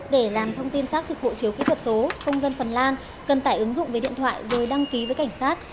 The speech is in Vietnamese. để làm thông tin xác thực hộ chiếu kỹ thuật số công dân phần lan cần tải ứng dụng về điện thoại rồi đăng ký với cảnh sát